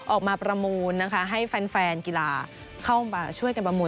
ออกมาประมูลนะคะให้แฟนกีฬาเข้ามาช่วยกันประมูล